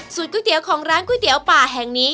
ก๋วยเตี๋ยวของร้านก๋วยเตี๋ยวป่าแห่งนี้